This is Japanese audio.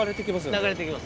流れて行きます。